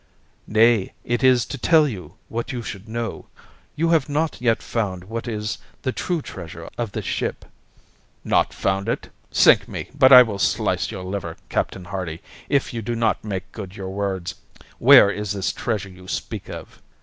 "Nay, it is to tell you what you should know. You have not yet found what is the true treasure aboard of this ship." "Not found it? Sink me, but I will slice your liver, Captain Hardy, if you do not make good your words! Where is this treasure you speak of?"